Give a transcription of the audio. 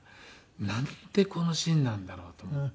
なんでこのシーンなんだろうと思って。